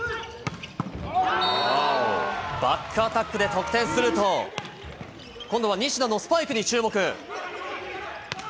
バックアタックで得点すると、今度は西田のスパイクに注目。